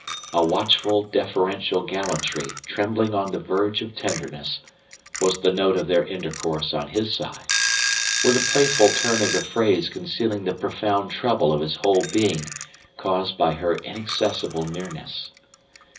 A watchful deferential gallantry trembling on the verge of tenderness, was the note of their intercourse on his side with a playful turn of the phrase concealing the profound trouble of his whole being caused by her inaccessible nearness.